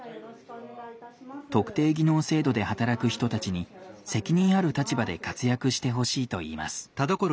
特定技能制度で働く人たちに責任ある立場で活躍してほしいといいます。